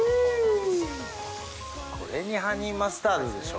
これにハニーマスタードでしょ？